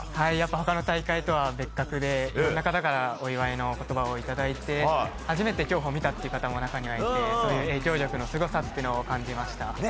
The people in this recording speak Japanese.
他の大会とは別格でいろんな方からお祝いの言葉をいただいて初めて競歩を見た方も中にはいて影響力のすごさを感じました。